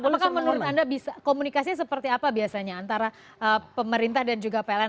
apakah menurut anda komunikasinya seperti apa biasanya antara pemerintah dan juga pln